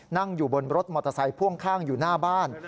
นั่งอยู่บนรถมอเตอร์ไซค์พ่วงข้างอยู่หน้าบ้าน